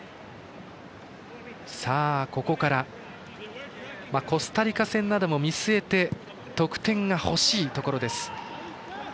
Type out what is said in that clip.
ここからコスタリカ戦なども見据えて得点が欲しいところです。